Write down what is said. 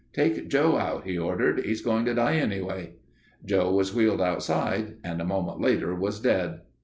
"Take Joe out," he ordered. "He's going to die anyway." Joe was wheeled outside and a moment later was dead.